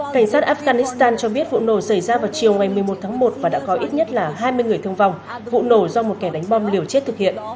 cảnh sát afghanistan cho biết vụ nổ xảy ra vào chiều ngày một mươi một tháng một và đã có ít nhất là hai mươi người thương vong vụ nổ do một kẻ đánh bom liều chết thực hiện